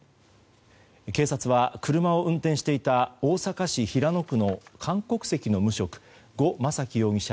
警察は、車を運転していた大阪市平野区の韓国籍の無職、ゴ・マサキ容疑者